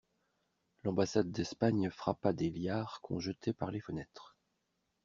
L'ambassade d'Espagne frappa des liards qu'on jetait par les fenêtres.